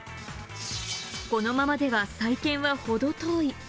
このままでは再建は、ほど遠い。